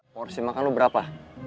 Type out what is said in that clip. porsi makan lo berapa